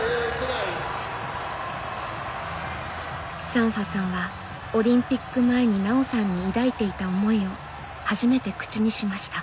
サンファさんはオリンピック前に奈緒さんに抱いていた思いを初めて口にしました。